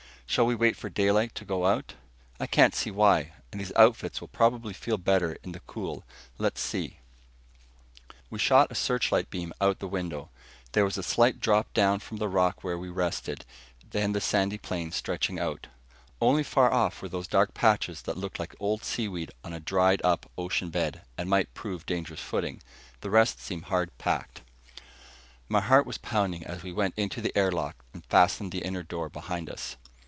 "Shall we wait for daylight to go out?" "I can't see why. And these outfits will probably feel better in the cool. Let's see." We shot a searchlight beam out the window. There was a slight drop down from the rock where we rested, then the sandy plain stretching out. Only far off were those dark patches that looked like old seaweed on a dried up ocean bed, and might prove dangerous footing. The rest seemed hard packed. My heart was pounding as we went into the air lock and fastened the inner door behind us.